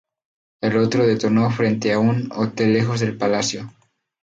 El otro detonó frente a un hotel lejos del palacio.